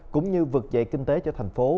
cũng như vượt dậy kinh tế cho thành phố